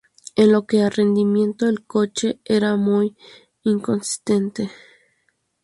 En lo que a rendimiento el coche era muy inconsistente.